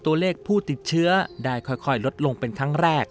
ตัวเลขผู้ติดเชื้อได้ค่อยลดลงเป็นครั้งแรก